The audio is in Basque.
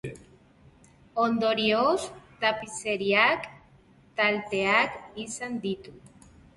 Ondorioz, tapizeriak kalteak izan ditu.